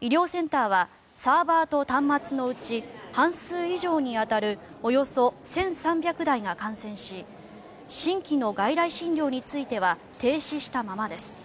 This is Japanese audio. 医療センターはサーバーと端末のうち半数以上に当たるおよそ１３００台が感染し新規の外来診療については停止したままです。